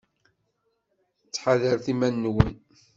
Ttḥadaret iman-nwen.